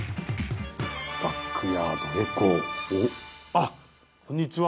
あっこんにちは。